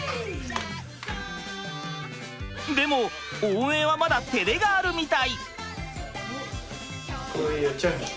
でも応援はまだてれがあるみたい。